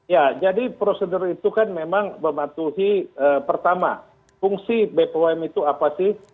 ya jadi prosedur itu kan memang mematuhi pertama fungsi bpom itu apa sih